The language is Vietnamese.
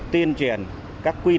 tuyên truyền các quy định